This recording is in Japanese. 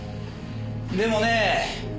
でもねえ